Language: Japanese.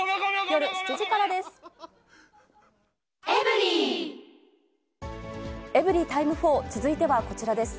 夜７時からです。